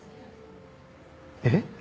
えっ？